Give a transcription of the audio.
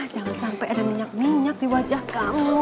jangan sampai ada minyak minyak di wajah kamu